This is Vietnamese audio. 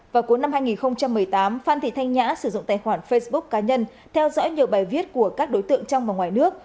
vào cuối năm hai nghìn một mươi tám phan thị thanh nhã sử dụng tài khoản facebook cá nhân theo dõi nhiều bài viết của các đối tượng trong và ngoài nước